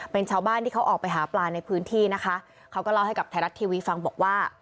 เป็นชาวบ้านที่เขาออกไปหาปลาในพื้นที่นะคะเขาก็เล่าให้กับไทยรัฐทีวีฟังบอกว่า